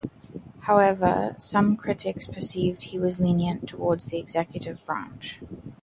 However, some critics perceived he was lenient towards the executive branch.